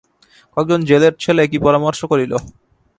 কয়েকজন জেলের ছেলে কি পরামর্শ করিল।